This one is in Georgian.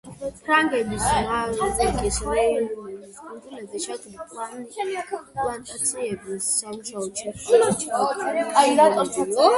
ფრანგებს მავრიკის და რეიუნიონის კუნძულებზე შაქრის პლანტაციებზე სამუშაოდ შეჰყავდათ შავკანიანი მონები.